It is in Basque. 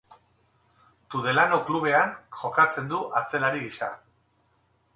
Tudelano klubean jokatzen du atzelari gisa.